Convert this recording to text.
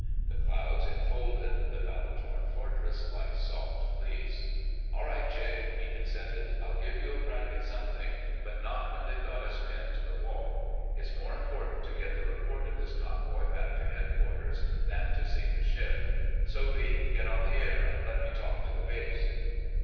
The clouds enfolded the battle torn Fortress like soft fleece. "All right, Chick," he consented. "I'll give you a crack at something, but not when they've got us pinned to the wall. It's more important to get the report of this convoy back to headquarters than to sink a ship. Soapy, get on the air and let me talk to the base."